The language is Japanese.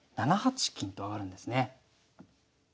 ７八金と上がるんですね。